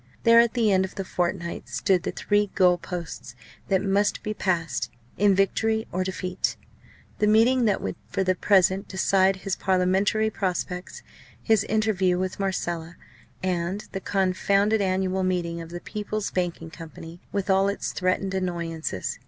There at the end of the fortnight stood the three goal posts that must be passed, in victory or defeat; the meeting that would for the present decide his parliamentary prospects, his interview with Marcella, and the confounded annual meeting of the "People's Banking Company," with all its threatened annoyances.